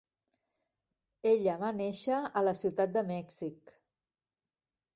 Ella va néixer a la Ciutat de Mèxic.